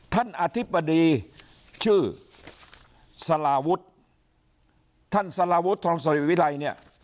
อธิบดีชื่อสลาวุฒิท่านสลาวุฒิทองสริวิรัยเนี่ย